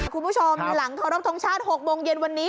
คุณผู้ชมหลังเคารพทงชาติ๖โมงเย็นวันนี้